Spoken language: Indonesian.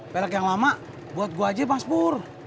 pelek yang lama buat gue aja mas pur